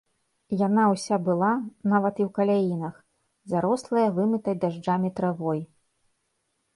Яна ўся была, нават і ў каляінах, зарослая вымытай дажджамі травой.